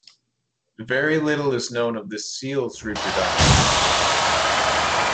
Very little is known of this seal's reproduction.